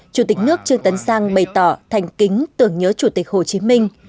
chủ tịch nước trương tấn sang bày tỏ thành kính tưởng nhớ chủ tịch hồ chí minh